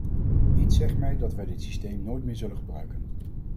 Iets zegt mij dat wij dit systeem nooit meer zullen gebruiken.